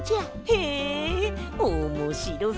へえおもしろそう！